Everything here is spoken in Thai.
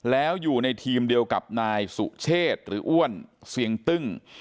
แล้วอยู่ในทีมเดียวกับนายสุเชษหรืออ้วนเสียงตึ้ง